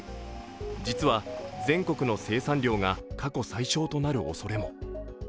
実は全国の生産量が過去最少となるおそれも。